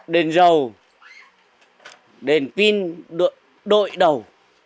đền dầu đền pin đội đầu